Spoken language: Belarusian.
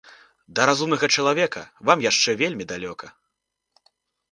Да разумнага чалавека вам яшчэ вельмі далёка.